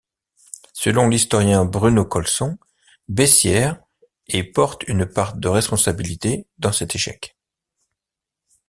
Selon l'historien Bruno Colson, Bessières et porte une part de responsabilité dans cet échec.